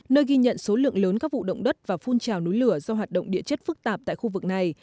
nơi ghi nhận số lượng lớn các vụ động đất và phun trào núi lửa do hoạt động địa chất phức tạp tại khu vực này